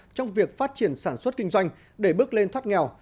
trong việc phát triển sản xuất kinh doanh để bước lên thoát nghèo